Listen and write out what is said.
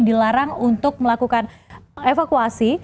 dilarang untuk melakukan evakuasi